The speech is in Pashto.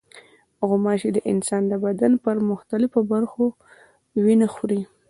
غوماشې د انسان د بدن پر مختلفو برخو وینه خوري.